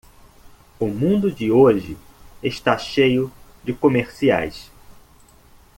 O mundo de hoje está cheio de comerciais.